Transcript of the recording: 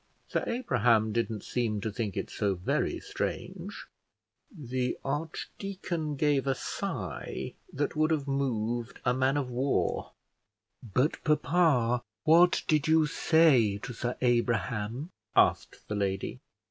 Sir Abraham didn't seem to think it so very strange." The archdeacon gave a sigh that would have moved a man of war. "But, papa, what did you say to Sir Abraham?" asked the lady.